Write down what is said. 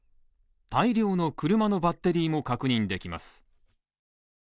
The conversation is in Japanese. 大量の車のバッテリーも確認できます。